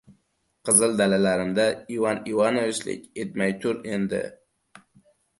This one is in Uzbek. Qizil! Dalalarimda Ivan Ivanovichlik etmay tur, endi.